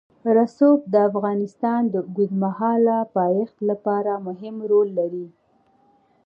رسوب د افغانستان د اوږدمهاله پایښت لپاره مهم رول لري.